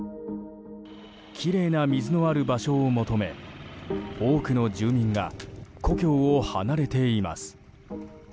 きれいな水のある場所を求め多くの住民が故郷を離れています。